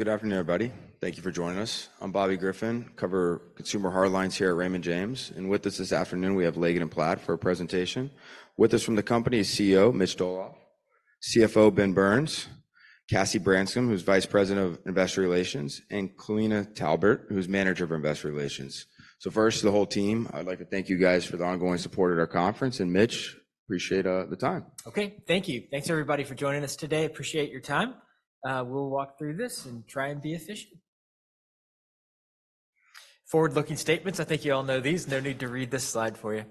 Good afternoon, everybody. Thank you for joining us. I'm Bobby Griffin, covering Consumer Hardlines here at Raymond James, and with us this afternoon we have Leggett & Platt for a presentation. With us from the company is CEO Mitch Dolloff, CFO Ben Burns, Cassie Branscum who's Vice President of Investor Relations, and Kolina Talbert who's Manager of Investor Relations. So first, to the whole team, I'd like to thank you guys for the ongoing support at our conference, and Mitch, appreciate the time. Okay, thank you. Thanks everybody for joining us today. Appreciate your time. We'll walk through this and try and be efficient. Forward-looking statements, I think you all know these. No need to read this slide for you.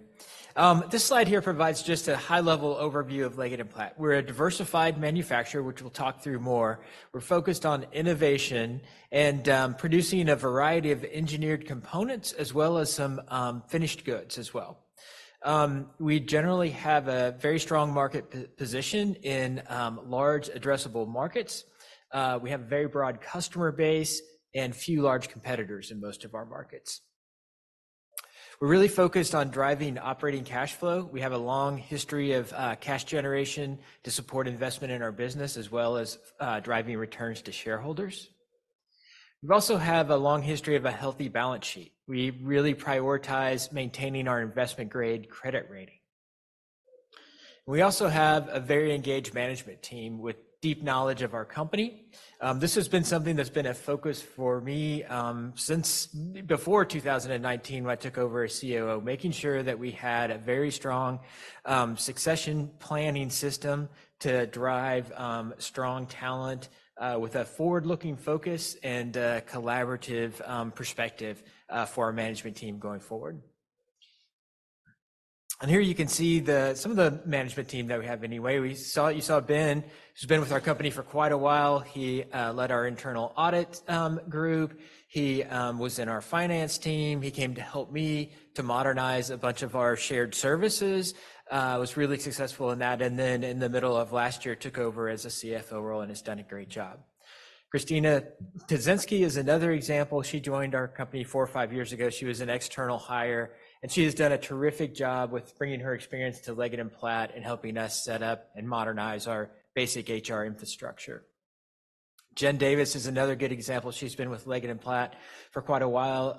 This slide here provides just a high-level overview of Leggett & Platt. We're a diversified manufacturer, which we'll talk through more. We're focused on innovation and producing a variety of engineered components as well as some finished goods as well. We generally have a very strong market position in large addressable markets. We have a very broad customer base and few large competitors in most of our markets. We're really focused on driving operating cash flow. We have a long history of cash generation to support investment in our business as well as driving returns to shareholders. We also have a long history of a healthy balance sheet. We really prioritize maintaining our investment-grade credit rating. We also have a very engaged management team with deep knowledge of our company. This has been something that's been a focus for me since before 2019 when I took over as COO, making sure that we had a very strong succession planning system to drive strong talent with a forward-looking focus and collaborative perspective for our management team going forward. And here you can see some of the management team that we have anyway. You saw Ben who's been with our company for quite a while. He led our internal audit group. He was in our finance team. He came to help me to modernize a bunch of our shared services. Was really successful in that, and then in the middle of last year took over as a CFO role and has done a great job. Kristin Ptasinski is another example. She joined our company four or five years ago. She was an external hire, and she has done a terrific job with bringing her experience to Leggett & Platt and helping us set up and modernize our basic HR infrastructure. Jen Davis is another good example. She's been with Leggett & Platt for quite a while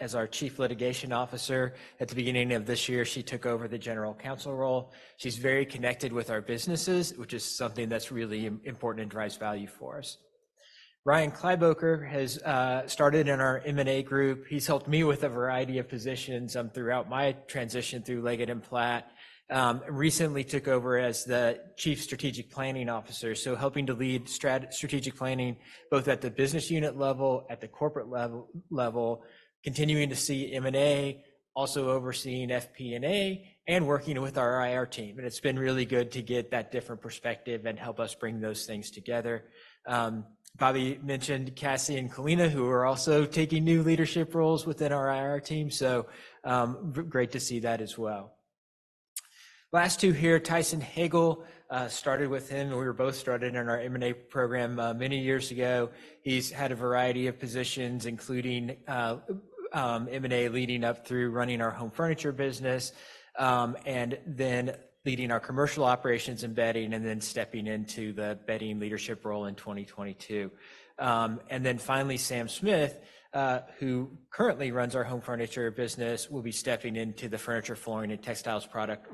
as our Chief Litigation Officer. At the beginning of this year, she took over the General Counsel role. She's very connected with our businesses, which is something that's really important and drives value for us. Ryan Kleiboeker has started in our M&A group. He's helped me with a variety of positions throughout my transition through Leggett & Platt. Recently took over as the Chief Strategic Planning Officer, so helping to lead strategic planning both at the business unit level, at the corporate level, continuing to see M&A, also overseeing FP&A, and working with our IR team. It's been really good to get that different perspective and help us bring those things together. Bobby mentioned Cassie and Kolina who are also taking new leadership roles within our IR team, so great to see that as well. Last two here, Tyson Hagale. Started with him. We were both started in our M&A program many years ago. He's had a variety of positions including M&A leading up through running our home furniture business and then leading our commercial operations bedding and then stepping into the bedding leadership role in 2022. And then finally, Sam Smith who currently runs our home furniture business will be stepping into the Furniture, Flooring, and Textiles Product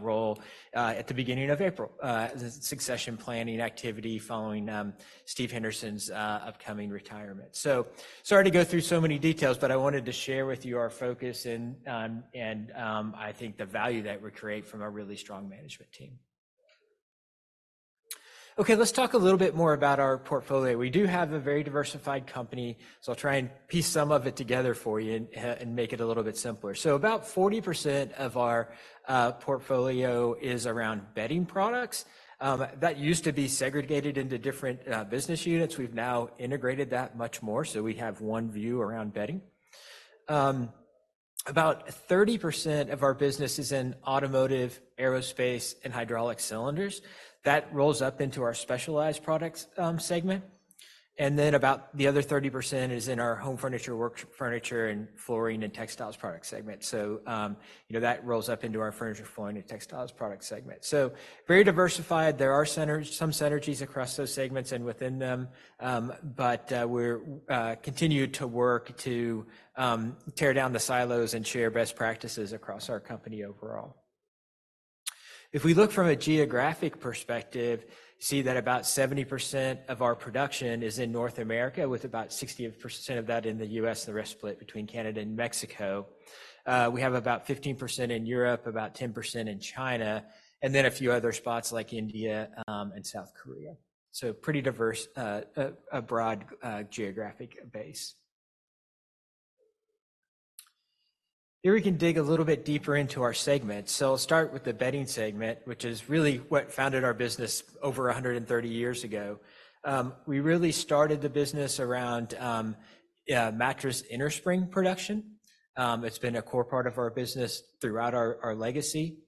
role at the beginning of April. Succession planning activity following Steve Henderson's upcoming retirement. So sorry to go through so many details, but I wanted to share with you our focus and I think the value that we create from a really strong management team. Okay, let's talk a little bit more about our portfolio. We do have a very diversified company, so I'll try and piece some of it together for you and make it a little bit simpler. So about 40% of our portfolio is around Bedding Products. That used to be segregated into different business units. We've now integrated that much more, so we have one view around bedding. About 30% of our business is in automotive, aerospace, and hydraulic cylinders. That rolls up into our Specialized Products segment. Then about the other 30% is in our home furniture, Work Furniture, and flooring and textiles product segment. That rolls up into our furniture, flooring, and textiles product segment. Very diversified. There are some synergies across those segments and within them, but we continue to work to tear down the silos and share best practices across our company overall. If we look from a geographic perspective, see that about 70% of our production is in North America with about 60% of that in the U.S. and the rest split between Canada and Mexico. We have about 15% in Europe, about 10% in China, and then a few other spots like India and South Korea. Pretty diverse, a broad geographic base. Here we can dig a little bit deeper into our segments. So I'll start with the bedding segment, which is really what founded our business over 130 years ago. We really started the business around mattress innerspring production. It's been a core part of our business throughout our legacy.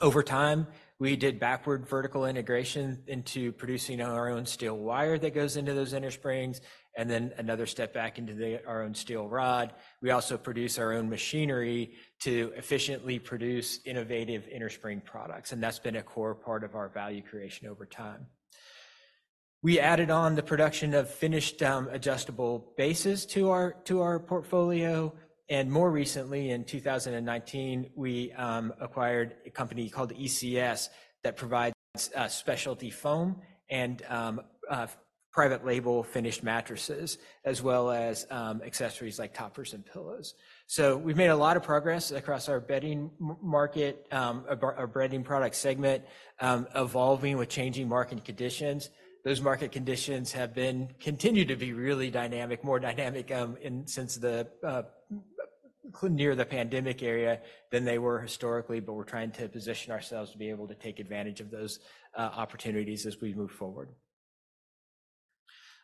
Over time, we did backward vertical integration into producing our own steel wire that goes into those innersprings and then another step back into our own steel rod. We also produce our own machinery to efficiently produce innovative innerspring products, and that's been a core part of our value creation over time. We added on the production of finished adjustable bases to our portfolio, and more recently in 2019, we acquired a company called ECS that provides specialty foam and private label finished mattresses as well as accessories like toppers and pillows. So we've made a lot of progress across our bedding market, our bedding product segment evolving with changing market conditions. Those market conditions have continued to be really dynamic, more dynamic since near the pandemic area than they were historically, but we're trying to position ourselves to be able to take advantage of those opportunities as we move forward.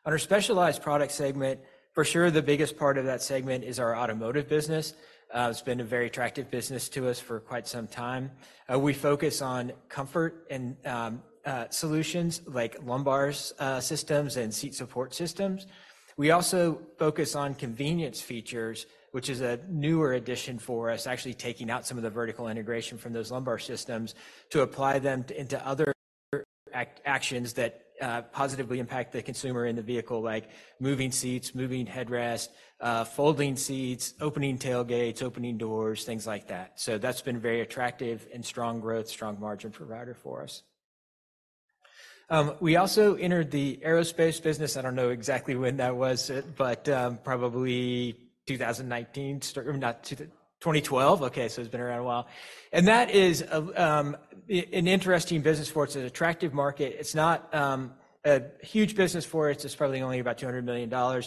On our specialized product segment, for sure the biggest part of that segment is our automotive business. It's been a very attractive business to us for quite some time. We focus on comfort and solutions like lumbar systems and seat support systems. We also focus on convenience features, which is a newer addition for us, actually taking out some of the vertical integration from those lumbar systems to apply them into other actions that positively impact the consumer in the vehicle like moving seats, moving headrest, folding seats, opening tailgates, opening doors, things like that. So that's been very attractive and strong growth, strong margin provider for us. We also entered the aerospace business. I don't know exactly when that was, but probably 2019, not 2012. Okay, so it's been around a while. That is an interesting business for us. It's an attractive market. It's not a huge business for us. It's probably only about $200 million.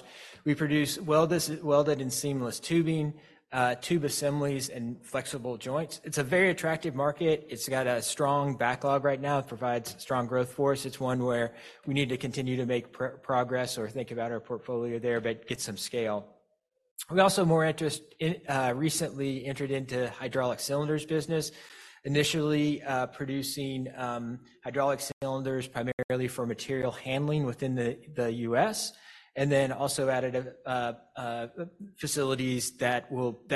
We produce welded and seamless tubing, tube assemblies, and flexible joints. It's a very attractive market. It's got a strong backlog right now. It provides strong growth for us. It's one where we need to continue to make progress or think about our portfolio there but get some scale. We also more recently entered into hydraulic cylinders business, initially producing hydraulic cylinders primarily for material handling within the U.S. and then also added facilities that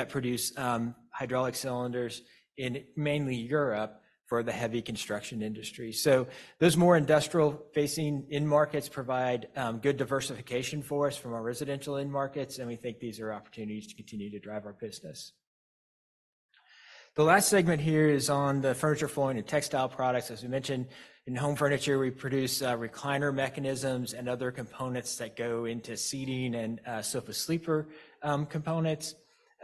produce hydraulic cylinders in mainly Europe for the heavy construction industry. So those more industrial-facing end-markets provide good diversification for us from our residential end-markets, and we think these are opportunities to continue to drive our business. The last segment here is on the furniture, flooring, and textile products. As we mentioned, in home furniture, we produce recliner mechanisms and other components that go into seating and sofa sleeper components.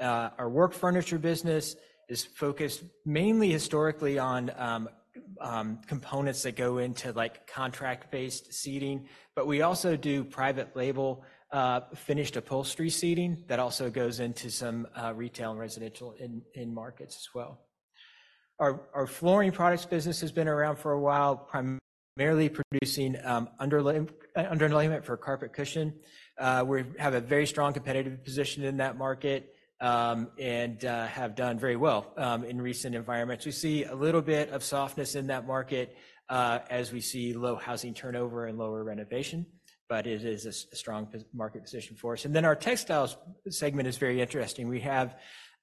Our work furniture business is focused mainly historically on components that go into contract-based seating, but we also do private label finished upholstery seating that also goes into some retail and residential end-markets as well. Our flooring products business has been around for a while, primarily producing underlayment for carpet cushion. We have a very strong competitive position in that market and have done very well in recent environments. We see a little bit of softness in that market as we see low housing turnover and lower renovation, but it is a strong market position for us. Then our textiles segment is very interesting.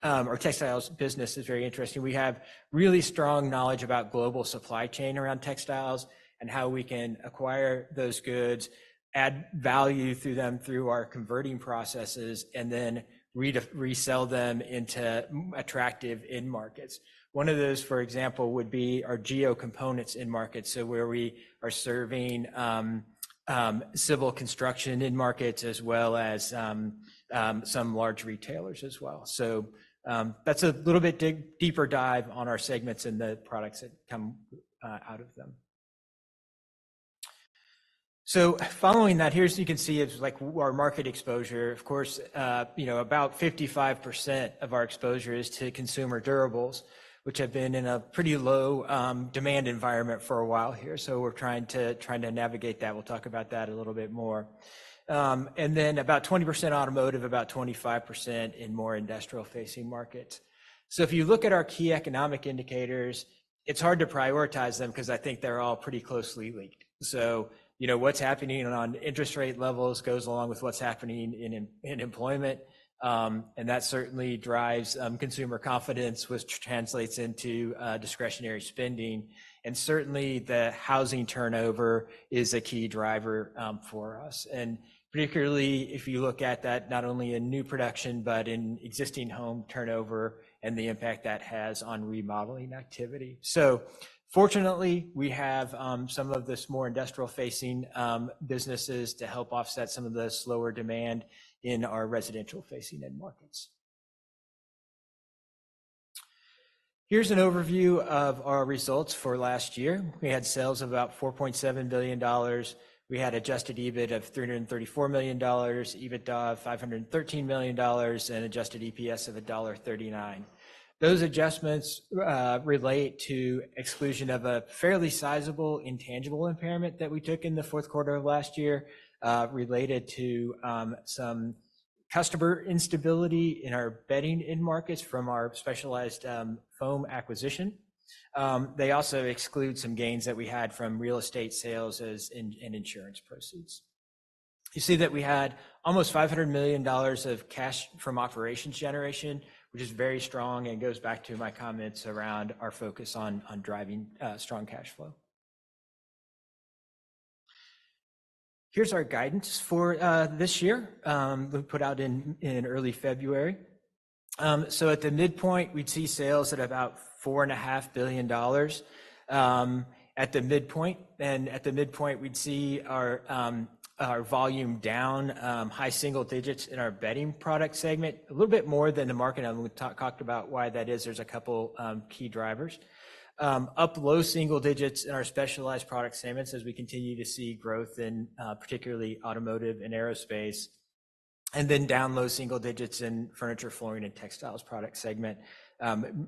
Our textiles business is very interesting. We have really strong knowledge about global supply chain around textiles and how we can acquire those goods, add value through them through our converting processes, and then resell them into attractive in-markets. One of those, for example, would be our Geo Components in-markets, so where we are serving civil construction in-markets as well as some large retailers as well. That's a little bit deeper dive on our segments and the products that come out of them. Following that, here, you can see it's like our market exposure. Of course, about 55% of our exposure is to Consumer Durables, which have been in a pretty low demand environment for a while here. So we're trying to navigate that. We'll talk about that a little bit more. And then about 20% automotive, about 25% in more industrial-facing markets. So if you look at our key economic indicators, it's hard to prioritize them because I think they're all pretty closely linked. So what's happening on interest rate levels goes along with what's happening in employment, and that certainly drives consumer confidence, which translates into discretionary spending. And certainly the housing turnover is a key driver for us, and particularly if you look at that not only in new production but in existing home turnover and the impact that has on remodeling activity. So fortunately, we have some of this more industrial-facing businesses to help offset some of the slower demand in our residential-facing end-markets. Here's an overview of our results for last year. We had sales of about $4.7 billion. We had adjusted EBIT of $334 million, EBITDA of $513 million, and adjusted EPS of $1.39. Those adjustments relate to exclusion of a fairly sizable intangible impairment that we took in the fourth quarter of last year related to some customer instability in our bedding end-markets from our specialty foam acquisition. They also exclude some gains that we had from real estate sales and insurance proceeds. You see that we had almost $500 million of cash from operations generation, which is very strong and goes back to my comments around our focus on driving strong cash flow. Here's our guidance for this year put out in early February. So at the midpoint, we'd see sales at about $4.5 billion at the midpoint, and at the midpoint, we'd see our volume down high single digits in our Bedding Products segment, a little bit more than the market. And we talked about why that is. There's a couple key drivers. Up low single digits in our Specialized Products segments as we continue to see growth in particularly automotive and aerospace. And then down low single digits in Furniture, Flooring, and Textiles Products segment,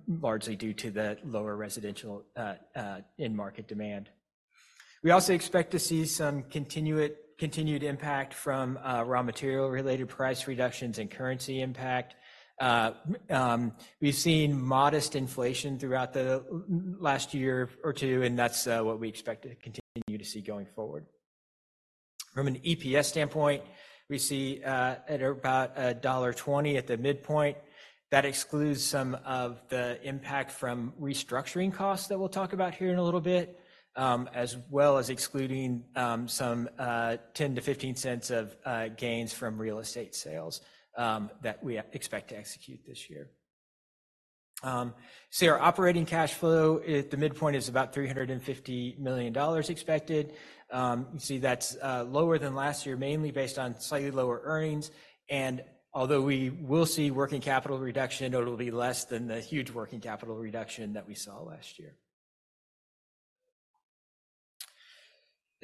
largely due to the lower residential in-market demand. We also expect to see some continued impact from raw material-related price reductions and currency impact. We've seen modest inflation throughout the last year or two, and that's what we expect to continue to see going forward. From an EPS standpoint, we see at about $1.20 at the midpoint. That excludes some of the impact from restructuring costs that we'll talk about here in a little bit, as well as excluding some $0.10-$0.15 of gains from real estate sales that we expect to execute this year. So our operating cash flow at the midpoint is about $350 million expected. You see that's lower than last year, mainly based on slightly lower earnings. And although we will see working capital reduction, it'll be less than the huge working capital reduction that we saw last year.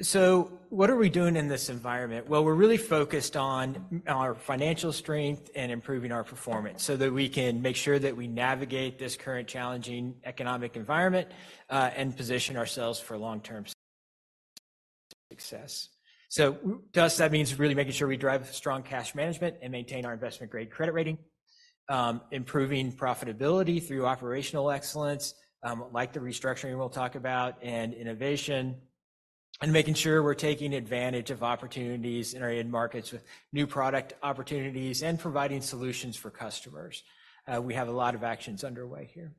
So what are we doing in this environment? Well, we're really focused on our financial strength and improving our performance so that we can make sure that we navigate this current challenging economic environment and position ourselves for long-term success. So to us, that means really making sure we drive strong cash management and maintain our investment-grade credit rating, improving profitability through operational excellence like the restructuring we'll talk about and innovation, and making sure we're taking advantage of opportunities in our in-markets with new product opportunities and providing solutions for customers. We have a lot of actions underway here.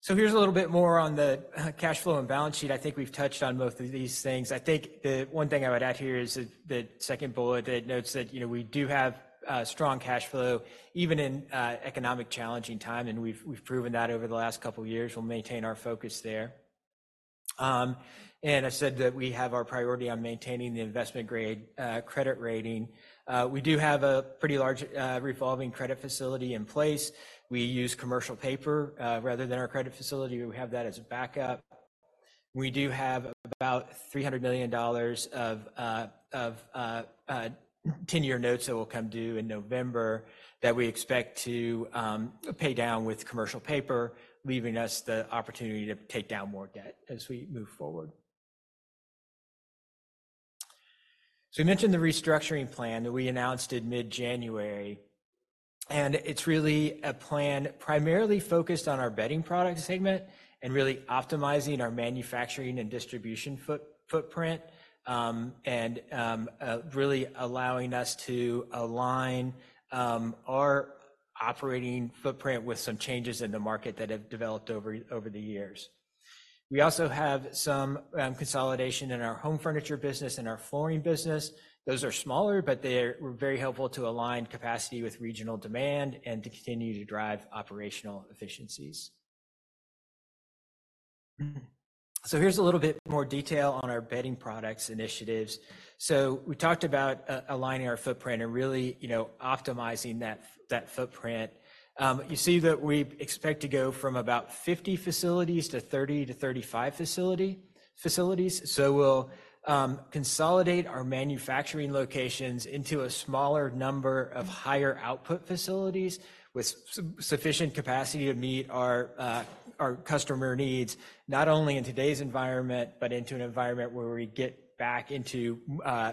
So here's a little bit more on the cash flow and balance sheet. I think we've touched on both of these things. I think the one thing I would add here is the second bullet that notes that we do have strong cash flow even in economic challenging times, and we've proven that over the last couple of years. We'll maintain our focus there. And I said that we have our priority on maintaining the investment-grade credit rating. We do have a pretty large revolving credit facility in place. We use commercial paper rather than our credit facility. We have that as a backup. We do have about $300 million of 10-year notes that will come due in November that we expect to pay down with commercial paper, leaving us the opportunity to take down more debt as we move forward. So we mentioned the restructuring plan that we announced in mid-January, and it's really a plan primarily focused on our bedding product segment and really optimizing our manufacturing and distribution footprint and really allowing us to align our operating footprint with some changes in the market that have developed over the years. We also have some consolidation in our home furniture business and our flooring business. Those are smaller, but they were very helpful to align capacity with regional demand and to continue to drive operational efficiencies. So here's a little bit more detail on our Bedding Products initiatives. So we talked about aligning our footprint and really optimizing that footprint. You see that we expect to go from about 50 facilities to 30 facilities-35 facilities. So we'll consolidate our manufacturing locations into a smaller number of higher output facilities with sufficient capacity to meet our customer needs, not only in today's environment, but into an environment where we get back into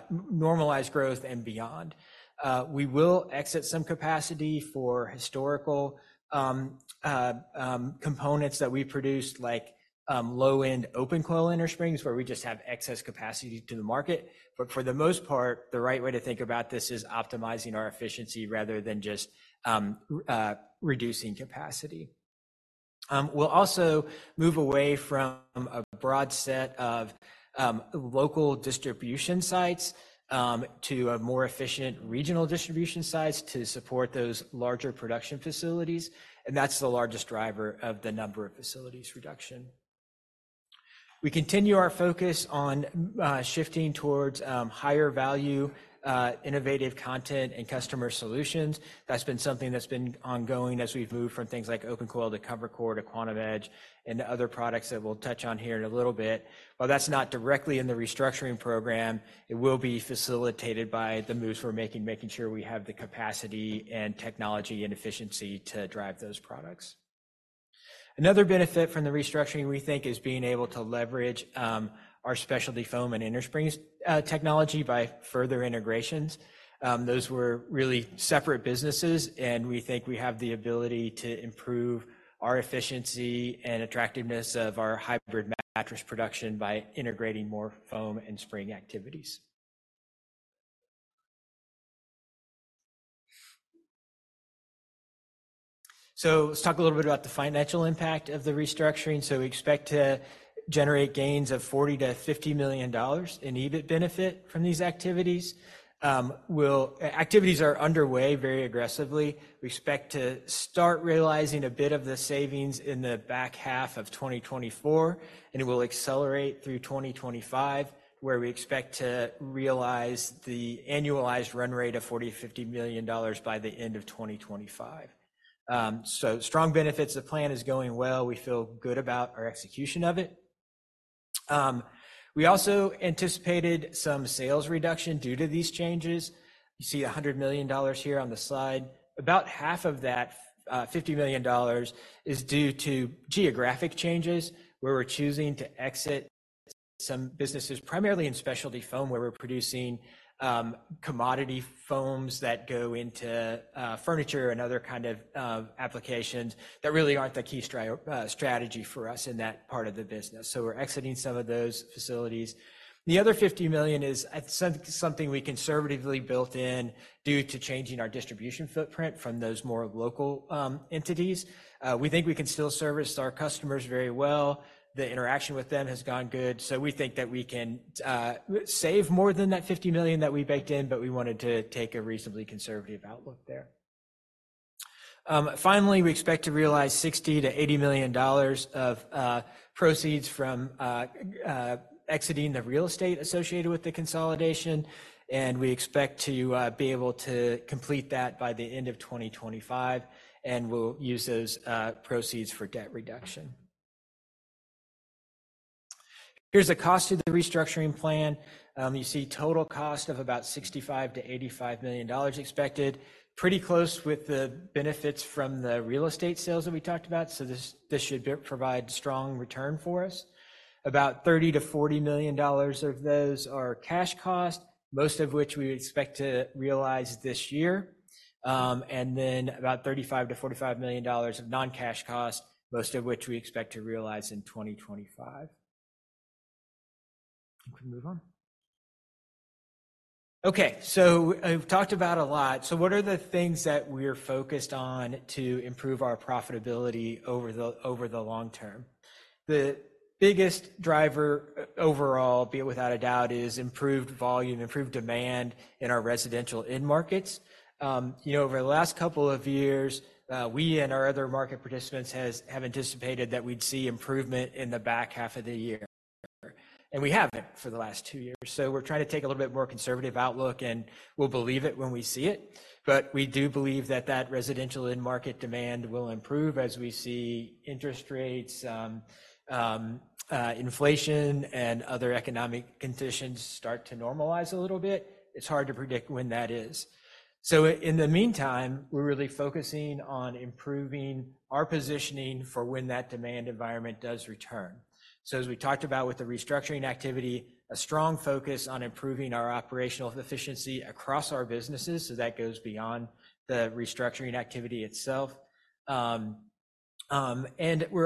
normalized growth and beyond. We will exit some capacity for historical components that we produced like low-end open-coil innersprings where we just have excess capacity to the market. But for the most part, the right way to think about this is optimizing our efficiency rather than just reducing capacity. We'll also move away from a broad set of local distribution sites to more efficient regional distribution sites to support those larger production facilities, and that's the largest driver of the number of facilities reduction. We continue our focus on shifting towards higher value, innovative content, and customer solutions. That's been something that's been ongoing as we've moved from things like open-coil to ComfortCore to Quantum Edge and other products that we'll touch on here in a little bit. While that's not directly in the restructuring program, it will be facilitated by the moves we're making, making sure we have the capacity and technology and efficiency to drive those products. Another benefit from the restructuring, we think, is being able to leverage our specialty foam and innersprings technology by further integrations. Those were really separate businesses, and we think we have the ability to improve our efficiency and attractiveness of our hybrid mattress production by integrating more foam and spring activities. So let's talk a little bit about the financial impact of the restructuring. So we expect to generate gains of $40 million-$50 million in EBIT benefit from these activities. Activities are underway very aggressively. We expect to start realizing a bit of the savings in the back half of 2024, and it will accelerate through 2025 where we expect to realize the annualized run rate of $40 million-$50 million by the end of 2025. So strong benefits. The plan is going well. We feel good about our execution of it. We also anticipated some sales reduction due to these changes. You see $100 million here on the slide. About half of that $50 million is due to geographic changes where we're choosing to exit some businesses, primarily in specialty foam where we're producing commodity foams that go into furniture and other kinds of applications that really aren't the key strategy for us in that part of the business. So we're exiting some of those facilities. The other $50 million is something we conservatively built in due to changing our distribution footprint from those more local entities. We think we can still service our customers very well. The interaction with them has gone good, so we think that we can save more than that $50 million that we baked in, but we wanted to take a reasonably conservative outlook there. Finally, we expect to realize $60-$80 million of proceeds from exiting the real estate associated with the consolidation, and we expect to be able to complete that by the end of 2025, and we'll use those proceeds for debt reduction. Here's the cost of the restructuring plan. You see total cost of about $65 million-$85 million expected, pretty close with the benefits from the real estate sales that we talked about. So this should provide strong return for us. About $30 million-$40 million of those are cash cost, most of which we expect to realize this year, and then about $35 million-$45 million of non-cash cost, most of which we expect to realize in 2025. We can move on. Okay. So we've talked about a lot. So what are the things that we're focused on to improve our profitability over the long term? The biggest driver overall, by far without a doubt, is improved volume, improved demand in our residential end-markets. Over the last couple of years, we and our other market participants have anticipated that we'd see improvement in the back half of the year, and we haven't for the last two years. So we're trying to take a little bit more conservative outlook, and we'll believe it when we see it. But we do believe that that residential end-market demand will improve as we see interest rates, inflation, and other economic conditions start to normalize a little bit. It's hard to predict when that is. So in the meantime, we're really focusing on improving our positioning for when that demand environment does return. So as we talked about with the restructuring activity, a strong focus on improving our operational efficiency across our businesses. So that goes beyond the restructuring activity itself. We're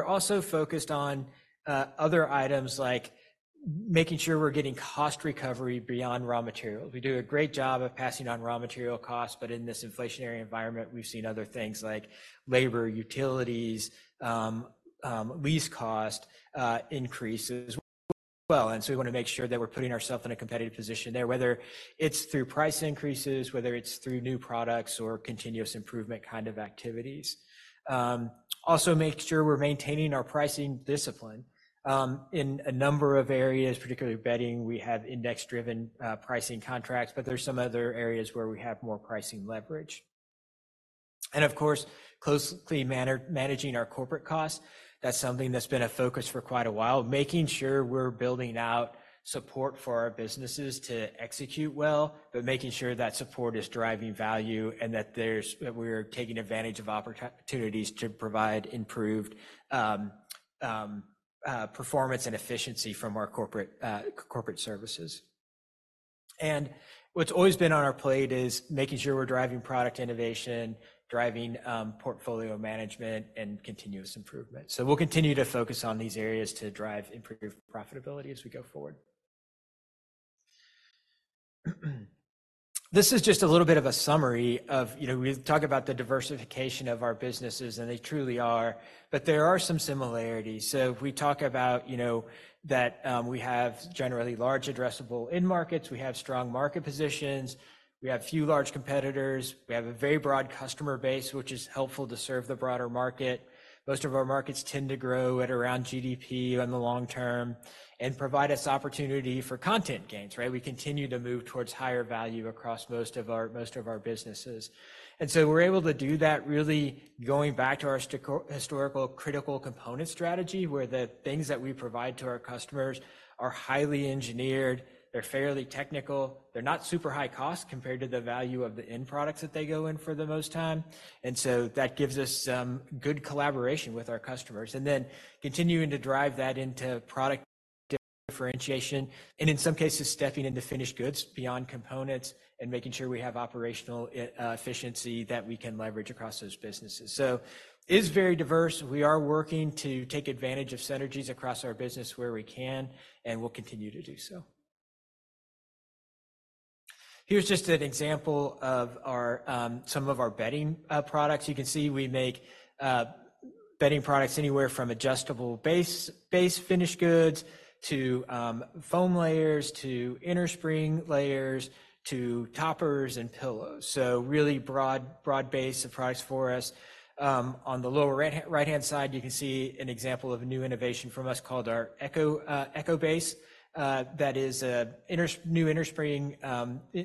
also focused on other items like making sure we're getting cost recovery beyond raw materials. We do a great job of passing on raw material costs, but in this inflationary environment, we've seen other things like labor, utilities, lease cost increases as well. We want to make sure that we're putting ourselves in a competitive position there, whether it's through price increases, whether it's through new products, or continuous improvement kind of activities. Also, make sure we're maintaining our pricing discipline in a number of areas, particularly bedding. We have index-driven pricing contracts, but there's some other areas where we have more pricing leverage. Of course, closely managing our corporate costs. That's something that's been a focus for quite a while. Making sure we're building out support for our businesses to execute well, but making sure that support is driving value and that we're taking advantage of opportunities to provide improved performance and efficiency from our corporate services. What's always been on our plate is making sure we're driving product innovation, driving portfolio management, and continuous improvement. We'll continue to focus on these areas to drive improved profitability as we go forward. This is just a little bit of a summary of we talk about the diversification of our businesses, and they truly are, but there are some similarities. We talk about that we have generally large addressable in-markets. We have strong market positions. We have few large competitors. We have a very broad customer base, which is helpful to serve the broader market. Most of our markets tend to grow at around GDP in the long term and provide us opportunity for content gains, right? We continue to move towards higher value across most of our businesses. And so we're able to do that really going back to our historical critical component strategy where the things that we provide to our customers are highly engineered, they're fairly technical, they're not super high cost compared to the value of the end products that they go in for the most time. And so that gives us good collaboration with our customers and then continuing to drive that into product differentiation and, in some cases, stepping into finished goods beyond components and making sure we have operational efficiency that we can leverage across those businesses. So it is very diverse. We are working to take advantage of synergies across our business where we can, and we'll continue to do so. Here's just an example of some of our bedding products. You can see we make bedding products anywhere from adjustable base finished goods to foam layers to innerspring layers to toppers and pillows. So really broad base of products for us. On the lower right-hand side, you can see an example of a new innovation from us called our Eco-Base that is a new innerspring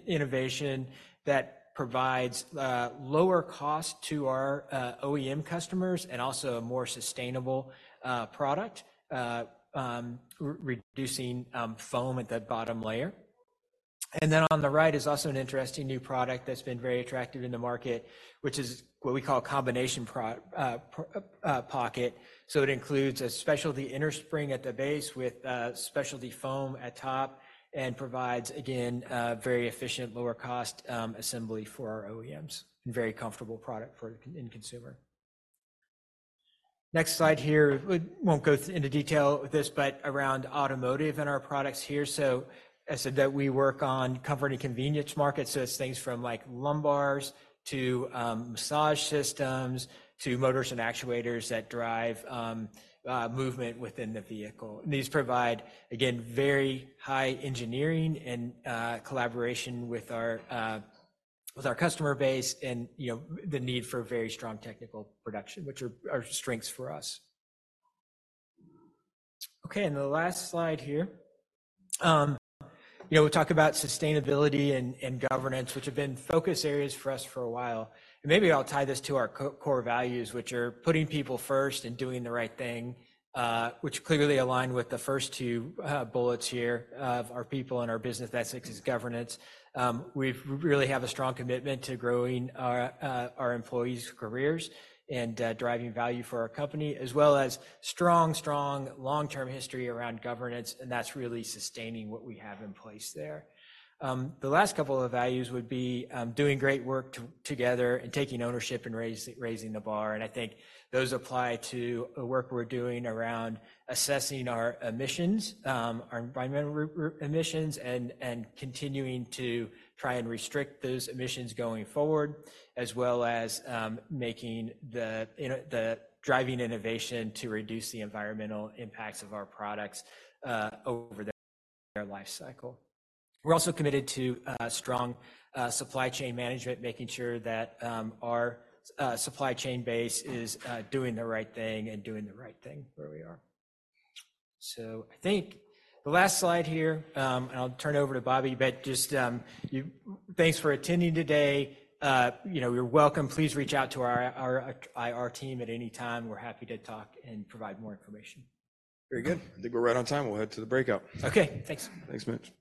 innovation that provides lower cost to our OEM customers and also a more sustainable product, reducing foam at the bottom layer. And then on the right is also an interesting new product that's been very attractive in the market, which is what we call combination pocket. So it includes a specialty innerspring at the base with specialty foam at top and provides, again, very efficient lower cost assembly for our OEMs and very comfortable product for the end consumer. Next slide here. We won't go into detail with this, but around automotive and our products here. So I said that we work on comfort and convenience markets. So it's things from like lumbars, to massage systems, to motors and actuators that drive movement within the vehicle. And these provide, again, very high engineering and collaboration with our customer base and the need for very strong technical production, which are strengths for us. Okay. And the last slide here. We talk about sustainability and governance, which have been focus areas for us for a while. And maybe I'll tie this to our core values, which are putting people first and doing the right thing, which clearly align with the first two bullets here of our people and our business. That's six is governance. We really have a strong commitment to growing our employees' careers and driving value for our company, as well as strong, strong long-term history around governance, and that's really sustaining what we have in place there. The last couple of values would be doing great work together and taking ownership and raising the bar. And I think those apply to the work we're doing around assessing our emissions, our environmental emissions, and continuing to try and restrict those emissions going forward, as well as making the driving innovation to reduce the environmental impacts of our products over their life cycle. We're also committed to strong supply chain management, making sure that our supply chain base is doing the right thing and doing the right thing where we are. So I think the last slide here, and I'll turn over to Bobby, but just thanks for attending today. You're welcome. Please reach out to our IR team at any time. We're happy to talk and provide more information. Very good. I think we're right on time. We'll head to the breakout. Okay. Thanks. Thanks, Mitch.